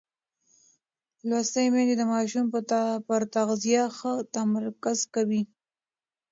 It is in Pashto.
لوستې میندې د ماشوم پر تغذیه ښه تمرکز کوي.